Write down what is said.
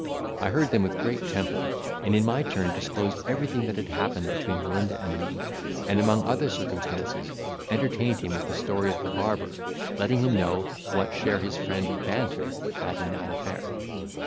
I heard them with great temper, and in my turn disclosed everything that had happened between Melinda and me; and among other circumstances entertained him with the story of the barber, letting him know what share his friend Banter had in that affair.